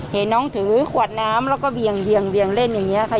เห็นน้องถือขวดน้ำแล้วก็เวียงเวียงเวียงเล่นอย่างเงี้ยค่ะ